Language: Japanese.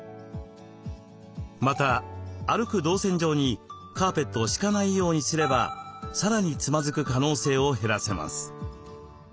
また歩く動線上にカーペットを敷かないようにすればさらにつまずく可能性を減らせます。